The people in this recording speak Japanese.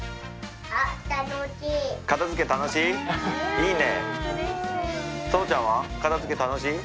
いいね。